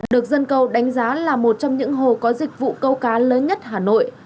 được dân cầu đánh giá là một trong những hồ có dịch vụ câu cá lớn nhất hà nội